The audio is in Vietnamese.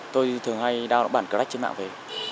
tôi thường hay download bản crack trên mạng về